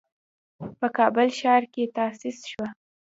په کابل ښار کې تأسيس شوه.